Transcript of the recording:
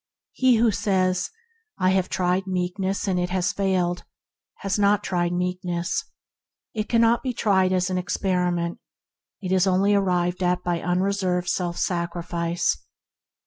He who says, "I have tried Meekness, and it has failed," has not tried Meekness. It cannot be tried as an experiment. It is only arrived at by unreserved self sacrifice.